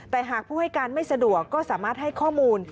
แต่หากผู้ให้การไม่สะดวกก็สามารถให้ข้อมูล